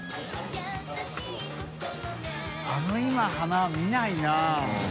あの今花輪見ないな。